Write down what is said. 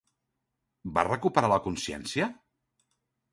Va recuperar la consciència?